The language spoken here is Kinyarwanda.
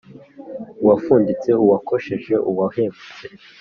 uwafuditse: uwakosheje, uwahemutse,